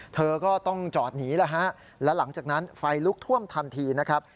เธอก็ต้องจอดหนีแล้วฮะแล้วหลังจากนั้นไฟลุกท่วมทันทีนะครับ